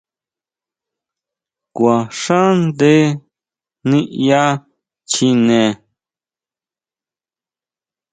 ¿Kuaxaʼnde ya niyá chjine?